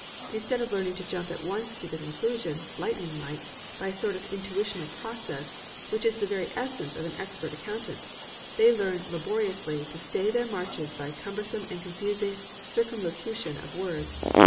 Instead of learning to jump at once to the conclusion, lightning like, by a sort of intuitional process, which is of the very essence of an expert accountant, they learn laboriously to stay their march by a cumbersome and confusing circumlocution of words.